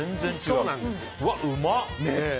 うわ、うまっ！